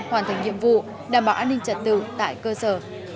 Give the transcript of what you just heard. hoàn thành nhiệm vụ đảm bảo an ninh trật tự tại cơ sở